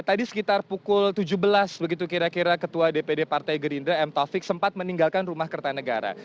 tadi sekitar pukul tujuh belas begitu kira kira ketua dpd partai gerindra m taufik sempat meninggalkan rumah kertanegara